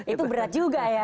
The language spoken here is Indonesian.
itu berat juga ya